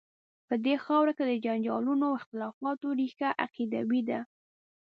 په دې خاوره کې د جنجالونو او اختلافات ریښه عقیدوي ده.